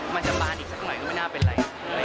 มันจะบานอีกสักหน่อยก็ไม่น่าเป็นอะไร